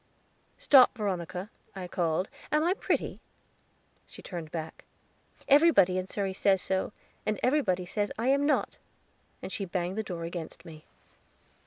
"Stop, Veronica," I called; "am I pretty?" She turned back. "Everybody in Surrey says so; and everybody says I am not." And she banged the door against me.